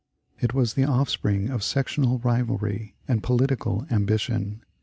It was the offspring of sectional rivalry and political ambition.